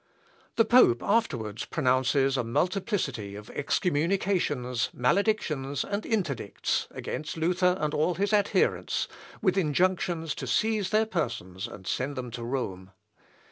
The pope afterwards pronounces a multiplicity of excommunications, maledictions, and interdicts against Luther and all his adherents, with injunctions to seize their persons and send them to Rome.